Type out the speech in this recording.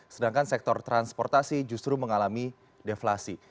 sedangkan sektor transportasi justru mengalami deflasi